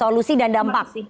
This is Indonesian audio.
terima kasih dan dampak